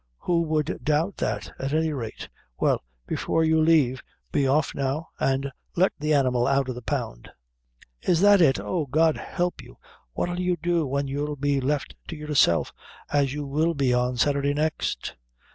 Who would doubt that, at any rate?" "Well, before you leave us, be off now, and let the animal out o' the pound." "Is that it? Oh, God help you! what'll you do when you'll be left to yourself, as you will be on Saturday next?